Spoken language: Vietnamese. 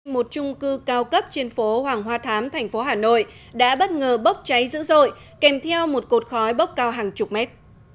một trung cư cao cấp trên phố hoàng hoa thám thành phố hà nội đã bất ngờ bốc cháy dữ dội kèm theo một cột khói bốc cao hàng chục mét